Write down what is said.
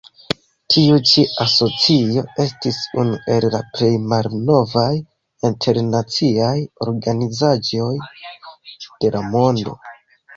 Tiu ĉi asocio estis unu el la plej malnovaj internaciaj organizaĵoj de la mondo.